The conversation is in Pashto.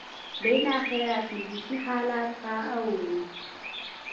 بالاخره فزيکي حالت ته اوړي.